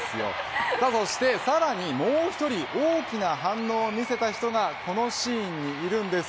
さらにもう１人大きな反応を見せた人がこのシーンにいるんです。